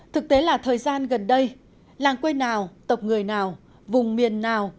thực tế là thời gian gần đây làng quê nào tộc người nào vùng miền nào